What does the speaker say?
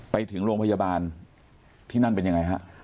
ไปถึงโรงพยาบาลที่นั่นเป็นยังไงฮะ